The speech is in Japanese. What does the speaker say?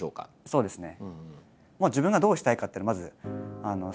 そうですね。